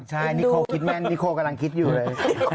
ใช่นิโคคิดแม่นนิโคกำลังคิดอยู่เลย